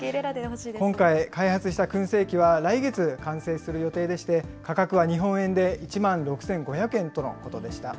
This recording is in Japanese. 今回開発したくん製機は、来月完成する予定でして、価格は日本円で１万６５００円とのことでした。